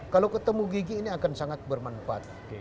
kalau ketemu gigi ini akan sangat bermanfaat